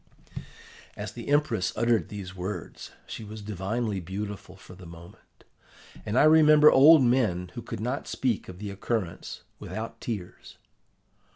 "As the Empress uttered these words she was divinely beautiful for the moment, and I remember old men who could not speak of the occurrence without tears.